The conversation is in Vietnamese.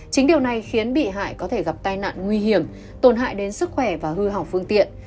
chính điều này khiến bị hại có thể gặp tai nạn nguy hiểm tổn hại đến sức khỏe và hư hỏng phương tiện